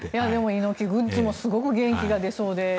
猪木グッズもすごく元気が出そうで。